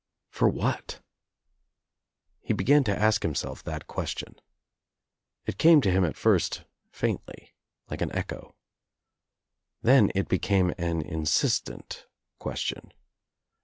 For what? He began to ask himself that question. It came to him at first faintly like an echo. Then it became an insistent question.